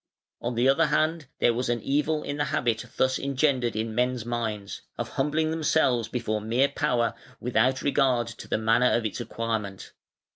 On the other hand there was an evil in the habit thus engendered in men's minds, of humbling themselves before mere power without regard to the manner of its acquirement.